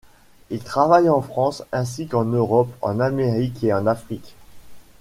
Il travaille en France, ainsi qu'en Europe, en Amérique et en Afrique.